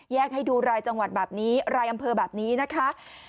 ให้ดูรายจังหวัดแบบนี้รายอำเภอแบบนี้นะคะ